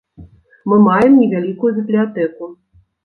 Мы маем невялікую бібліятэку.